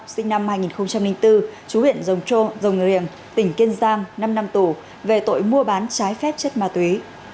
sinh năm hai nghìn bốn chú huyện rồng trô rồng người liềng tỉnh kiên giang năm năm tù về tội mua bán trái phép chất ma túy